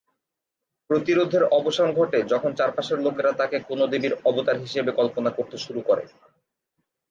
প্রতিরোধের অবসান ঘটে যখন চারপাশের লোকেরা তাকে কোনও দেবীর অবতার হিসাবে কল্পনা করতে শুরু করে।